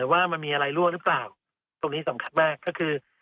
ว่ามันมีอะไรรั่วหรือเปล่าตรงนี้สำคัญมากก็คือ